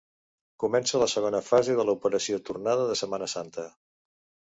Comença la segona fase de l’operació tornada de Setmana Santa.